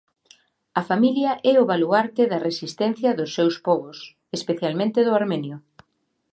A familia é o baluarte da resistencia dos seus pobos, especialmente do armenio.